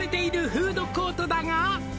「フードコートだが」